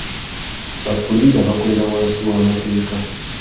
Ba puliida bakolera wansi w'amateeka.